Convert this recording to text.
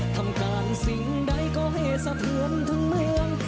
ทำการสิ่งใดก็ให้สะเทือนทั้งเมือง